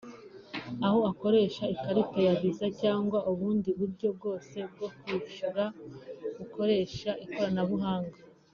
aho akoresha ikarita ya Visa cyangwa ubundi buryo bwose bwo kwishyura bukoresha ikoranabuhanga